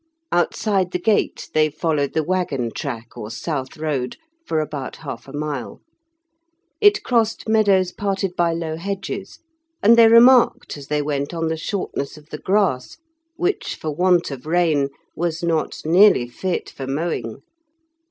Outside the gate they followed the waggon track, or South Road, for about half a mile. It crossed meadows parted by low hedges, and they remarked, as they went, on the shortness of the grass, which, for want of rain, was not nearly fit for mowing.